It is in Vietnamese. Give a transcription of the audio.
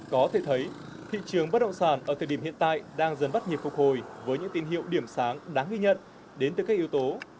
có thể thấy thị trường bất động sản ở thời điểm hiện tại đang dần bắt nhịp phục hồi với những tin hiệu điểm sáng đáng ghi nhận đến từ các yếu tố